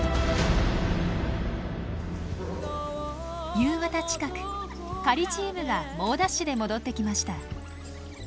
夕方近く狩りチームが猛ダッシュで戻ってきました。